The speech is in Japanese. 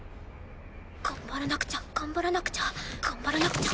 頑張らなくちゃ頑張らなくちゃ頑張らなくちゃ。